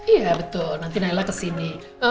iya betul nanti naila kesini